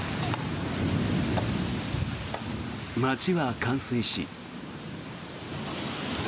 街は冠水し。